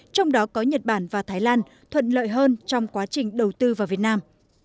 trong đó có nhật bản và thái lan thuận lợi hơn trong quá trình đầu tư vào việt nam